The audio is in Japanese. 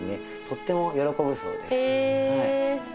とっても喜ぶそうです。え！